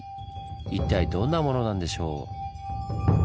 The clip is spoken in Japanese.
一体どんなものなんでしょう？